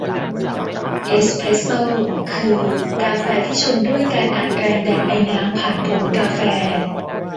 เอสเพรสโซ่ คือกาแฟที่ชงด้วยการอัดแรงดันไอน้ำผ่านผงกาแฟ